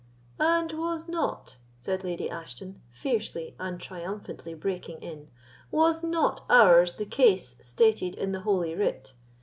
"And was not," said Lady Ashton, fiercely and triumphantly breaking in—"was not ours the case stated in the Holy Writ?